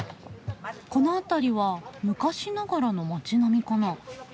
この辺りは昔ながらの町並みかな。